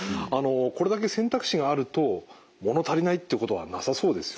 これだけ選択肢があると物足りないってことはなさそうですよね。